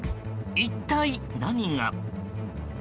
一体何が。